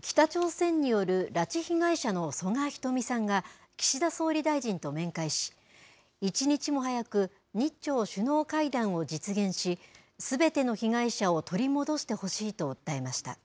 北朝鮮による拉致被害者の曽我ひとみさんが、岸田総理大臣と面会し、一日も早く日朝首脳会談を実現し、すべての被害者を取り戻してほしいと訴えました。